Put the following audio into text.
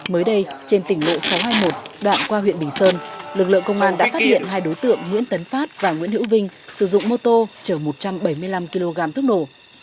mới đây trên tỉnh lộ sáu trăm hai mươi một đoạn qua huyện bình sơn lực lượng công an đã phát hiện hai đối tượng nguyễn tấn phát và nguyễn hữu vinh sử dụng mô tô chở một trăm bảy mươi năm kg thuốc nổ